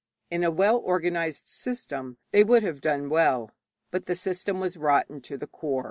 In a well organized system they would have done well, but the system was rotten to the core.